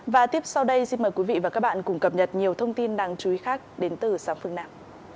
và tiếp sau đây xin mời quý vị và các bạn cùng cập nhật nhiều thông tin đáng chú ý khác đến từ sáng phương nam